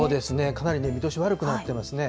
かなり見通し悪くなっていますね。